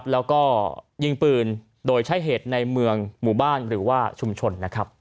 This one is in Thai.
แล้วก็ยิงปืนโดยใช้เหตุในเมืองหมู่บ้านหรือว่าชุมชน